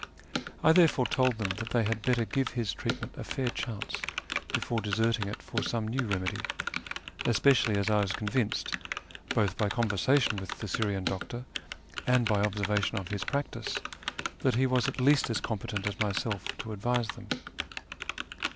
I therefore told them that they had better give his treatment a fair chance before deserting it for some new remedy, especially as I was convinced, both by conversa tion with the Syrian doctor, and by observation of his practice, that he was at least as competent as myself to advise them.